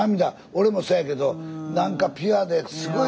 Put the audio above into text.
俺もそやけど何かピュアですごい。